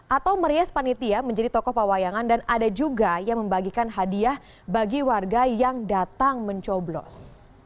atau merias panitia menjadi tokoh pawayangan dan ada juga yang membagikan hadiah bagi warga yang datang mencoblos